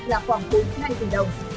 là khoảng khối ngay từ đồng